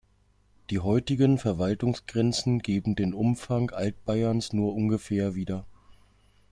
Die heutigen Verwaltungsgrenzen geben den Umfang Altbayerns nur ungefähr wieder.